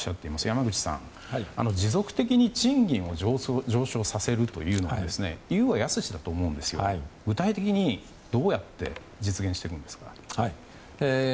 山口さん、持続的に賃金を上昇させるというのは言うは易しだと思うんですが具体的にどうやって実現してくんですか？